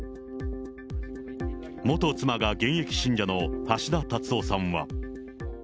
元妻が現役信者の橋田達夫さんは。